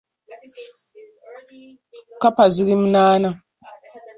Kkapa ziri munaana .